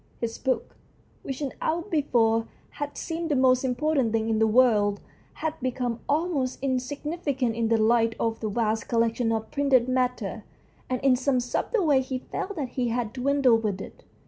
His book, which an hour before had seemed the most important thing in the world, had become almost insignificant in the light of that vast collection of printed matter, and in some subtle way he felt that he had dwindled with it.